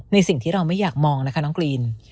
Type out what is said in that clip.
สิ่งที่เราไม่อยากมองนะคะน้องกรีน